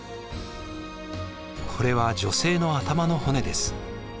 これは女性の頭の骨です。